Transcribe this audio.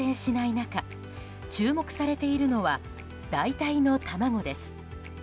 中注目されているのは代替の卵です。